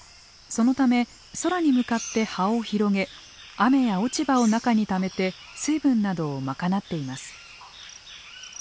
そのため空に向かって葉を広げ雨や落ち葉を中にためて水分などを賄っています。